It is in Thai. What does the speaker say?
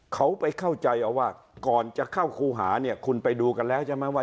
เขาไปเข้าใจเอาว่าก่อนจะเข้าครูหาเนี่ยคุณไปดูกันแล้วใช่ไหมว่า